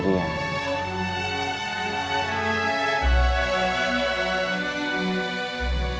boleh aku melamarnya